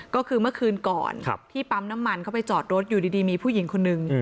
ก็คือเมื่อคืนก่อนที่ปั๊มน้ำมันเขาไปจอดรถอยู่ดีมีผู้หญิงคนนึง